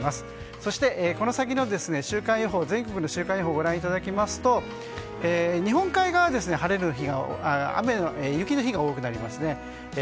そしてこの先の全国の週間予報をご覧いただきますと日本海側は雪の日が多くなりますね。